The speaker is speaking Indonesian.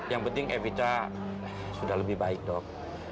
yang penting evita sudah lebih baik dok